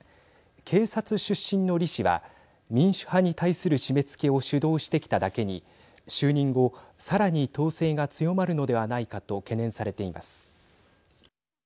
警察出身の李氏は民主派に対する締め付けを主導してきただけに就任後、さらに統制が強まるのではないかと懸念されています。